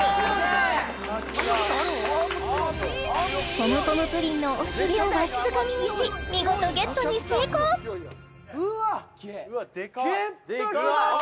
ポムポムプリンのお尻をわしづかみにし見事ゲットに成功うわっゲットしました！